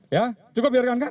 ya cukup ya rekan rekan